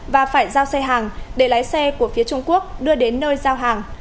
và phải giao xe hàng để lái xe của phía trung quốc đưa đến nơi giao hàng